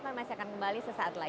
kami masih akan kembali sesaat lagi